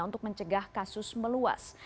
untuk mencegah kasus meluas